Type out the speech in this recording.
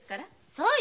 そうよ！